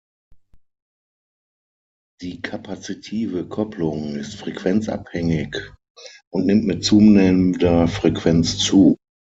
Die kapazitive Kopplung ist frequenzabhängig und nimmt mit zunehmender Frequenz zu.